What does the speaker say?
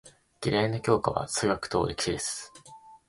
嫌いな教科は数学と歴史です。